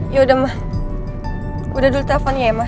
yaudah ma udah dulu telepon ya ma